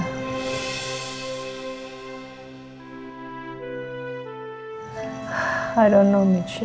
aku gak tau michi